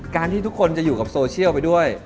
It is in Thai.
ที่ทุกคนจะอยู่กับโซเชียลไปด้วย